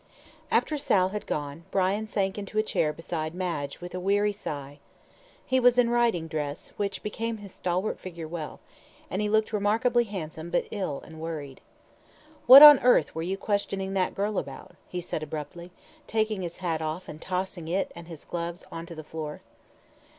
After Sal had gone, Brian sank into a chair beside Madge with a weary sigh. He was in riding dress, which became his stalwart figure well, and he looked remarkably handsome but ill and worried. "What on earth were you questioning that girl about?" he said abruptly, taking his hat off, and tossing it and his gloves on to the floor.